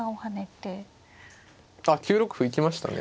あ９六歩生きましたね。